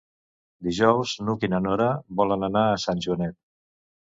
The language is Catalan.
Dijous n'Hug i na Nora volen anar a Sant Joanet.